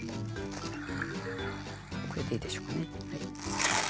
これでいいでしょうかね。